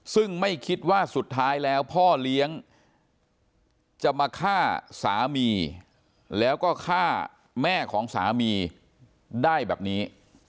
ซึ่งไม่คิดว่าสุดท้ายแล้วพ่อเลี้ยงจะมาฆ่าสามีแล้วก็ฆ่าแม่ของสามีได้แบบนี้